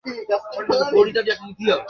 আমি এটা দেখাশোনা করছি।